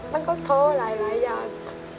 มันก็ท้อหลายอย่าง